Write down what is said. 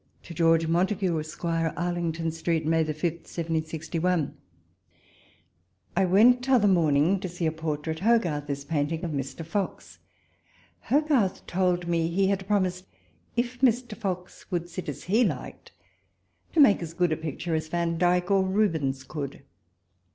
To George Montagu, Esq. Arlington Street, May, 5, 1761. .. I WENT t'other morning to see a por trait Hogarth is painting of Mr. Fox. Hogarth told me he had promised, if Mr. Fox would sit as he liked, to make as good a picture as Van dyke or Rubens could.